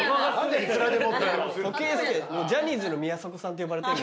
時計好きでジャニーズの宮迫さんって呼ばれてる。